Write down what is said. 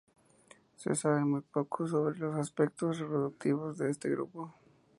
Se sabe muy poco sobre los aspectos reproductivos de este grupo.